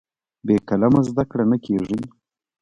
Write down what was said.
بې قلمه زده کړه نه کېږي.